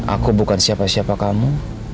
aku bukan siapa siapa kamu